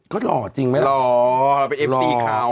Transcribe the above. ก็หล่อจริงไหมล่ะ